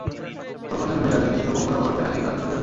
ওর কথা শুনে যাবি, কিন্তু কখনও ওর দেখাদেখি কাজ করতে যাবি না।